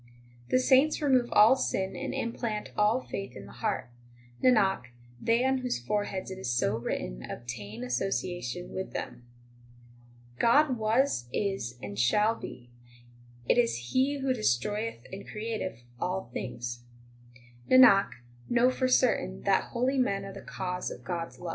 22 The saints remove all sin and implant all faith in the heart ; Nanak, they on whose foreheads it is so written obtain association with them. 23 God was, is, and shall be ; it is He who destroyeth and createth all things. Nanak, know for certain that holy men are the cause of God s love.